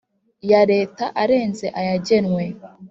ya Leta arenze ayagenwe